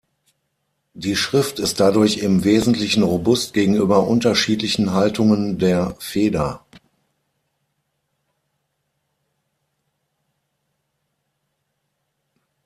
Die Schrift ist dadurch im Wesentlichen robust gegenüber unterschiedlichen Haltungen der Feder.